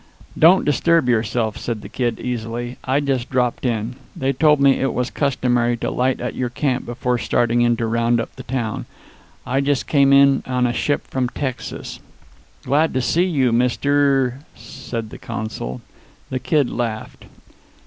"Don't disturb yourself," said the Kid, easily. "I just dropped in. They told me it was customary to light at your camp before starting in to round up the town. I just came in on a ship from Texas." "Glad to see you, Mr. " said the consul. The Kid laughed.